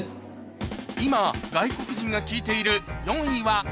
今外国人が聴いている４位は